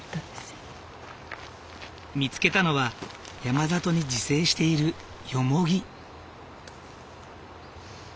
見つけたのは山里に自生しているヨモギ。